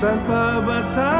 saya ke kamar dulu ya